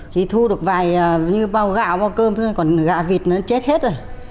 chỉ thu được vài như bao gạo bao cơm thôi còn gạo vịt nó chết hết rồi